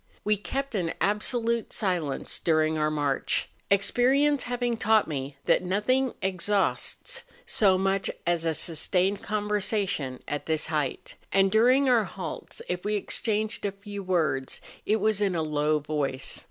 We kept an absolute silence during our march, experience having taught me that nothing exhausts so much as a sustained conversation at this height; and during our halts, if we exchanged a few words, it was in a low voice.